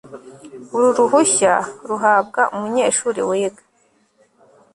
uru ruhushya ruhabwa umunyeshuri wiga